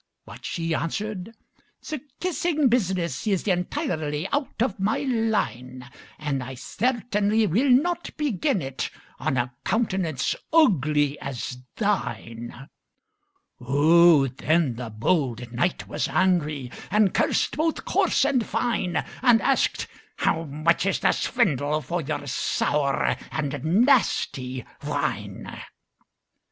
But she answered, "The kissing business Is entirely out of my line; And I certainly will not begin it On a countenance ugly as thine!" Oh, then the bold knight was angry, And cursed both coarse and fine; And asked, "How much is the swindle For your sour and nasty wine?"